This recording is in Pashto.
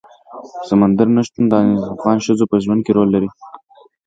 سمندر نه شتون د افغان ښځو په ژوند کې رول لري.